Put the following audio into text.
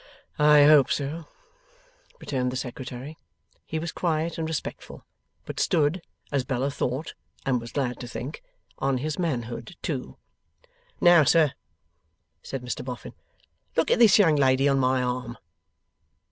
'I hope so,' returned the Secretary. He was quiet and respectful; but stood, as Bella thought (and was glad to think), on his manhood too. 'Now, sir,' said Mr Boffin, 'look at this young lady on my arm.